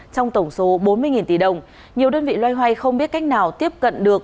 trong tổng số bốn mươi tỷ đồng nhiều đơn vị loay hoay không biết cách nào tiếp cận được